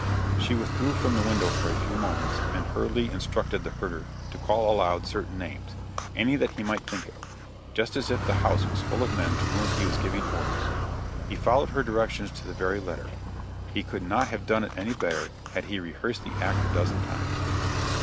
She withdrew from the window for a few moments and hurriedly instructed the herder to call aloud certain names any that he might think of just as if the house was full of men to whom he was giving orders. He followed her directions to the very letter. He could not have done it any better had he rehearsed the act a dozen times.